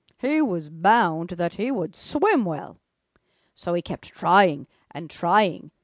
He was bound that he would swim well. So he kept trying and trying.